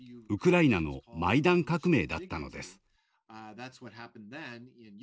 ウクライナのマイダン革命だったのです。